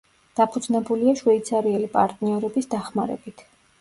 დაფუძნებულია შვეიცარიელი პარტნიორების დახმარებით.